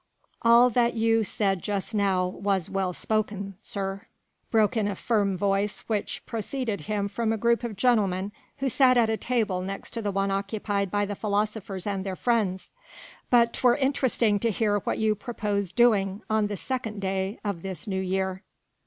"All that you said just now was well spoken, sir," broke in a firm voice which proceeded from a group of gentlemen who sat at a table next to the one occupied by the philosophers and their friends, "but 'twere interesting to hear what you propose doing on the second day of this New Year."